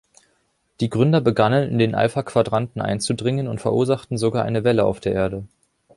Die Gründer begannen, in den Alpha-Quadranten einzudringen und verursachten sogar eine Welle auf der Erde.